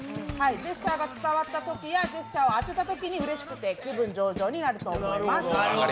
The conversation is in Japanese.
ジェスチャーが伝わったときや当てたときにうれしくて気分上々になると思います。